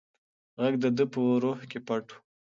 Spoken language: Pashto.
غږ د ده په روح کې پټ و.